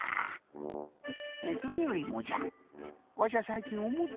それよりもじゃわしゃさいきんおもってることがあるんじゃ。